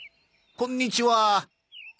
こんにちは。